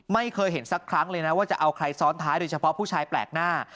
ไม่เคยเห็นสักครั้งเลยนะว่าจะเอาใครซ้อนท้ายโดยเฉพาะผู้ชายแปลกหน้า